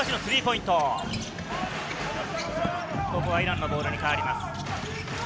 イランのボールに変わります。